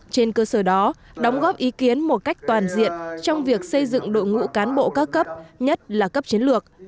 trên cơ sở đó đóng góp ý kiến một cách toàn diện trong việc xây dựng đội ngũ cán bộ các cấp nhất là cấp chiến lược